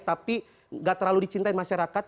tapi gak terlalu dicintain masyarakat